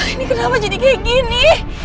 ini kenapa jadi kayak gini